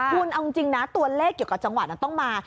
คุณเอาจริงนะตัวเลขเกี่ยวกับจังหวัดนั้นต้องมา